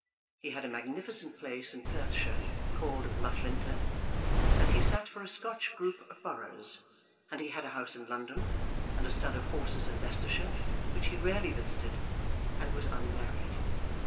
He had a magnificent place in Perthshire, called Loughlinter, and he sat for a Scotch group of boroughs, and he had a house in London, and a stud of horses in Leicestershire, which he rarely visited, and was unmarried.